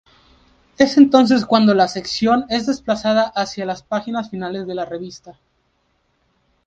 Es entonces cuando la sección es desplazada hacia las páginas finales de la revista.